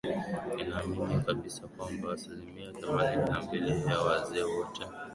inaamini kabisa kwamba asilimia themanini na mbili ya wazee wote